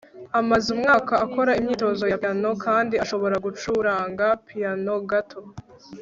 amaze umwaka akora imyitozo ya piyano kandi ashobora gucuranga piyano gato